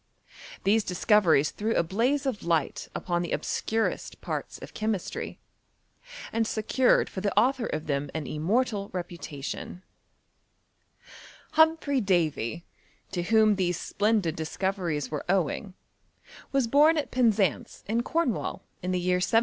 These discoveries threw a blaze of light upon the obscurest parts of chemistry, and secured for the author of them an immortal reputation Humphry Davy, to whom these splendid disco veries were owing, was bom at Penzance, in Corn wall, in the year 1778.